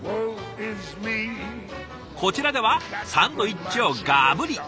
こちらではサンドイッチをがぶり。